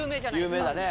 有名だね。